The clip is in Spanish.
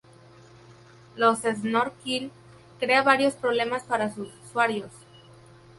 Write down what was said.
Los "snorkel" crea varios problemas para sus usuarios.